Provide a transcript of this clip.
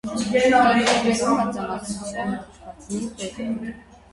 Կենդանիներու մեծամասնութիւնը թթուածինի պէտք ունի։